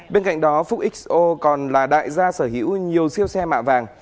bên cạnh đó phúc xo còn là đại gia sở hữu nhiều siêu xe mạ vàng